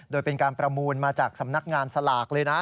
โดยเป็นการประมูลมาจากสำนักงานสลากเลยนะ